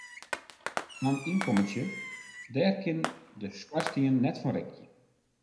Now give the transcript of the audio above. Sa'n ynkommentsje, dêr kin de skoarstien net fan rikje.